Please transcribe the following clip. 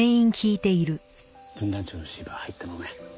分団長のシーバー入ったままや。